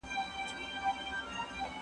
زه اوس ښوونځی ځم!